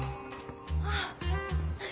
あっ。